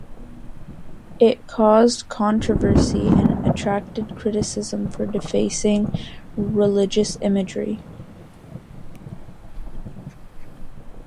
It caused controversy and attracted criticism for defacing religious imagery.